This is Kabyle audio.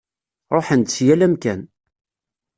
Ṛuḥen-d si yal amkan.